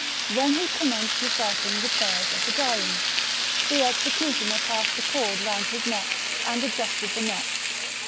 Then he commenced reciting the prayers of the dying ; the executioner passed the cord round his neck, and adjusted the knot.